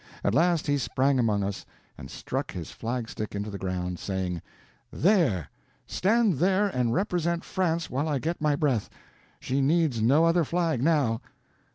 At last he sprang among us, and struck his flag stick into the ground, saying: "There! Stand there and represent France while I get my breath. She needs no other flag now."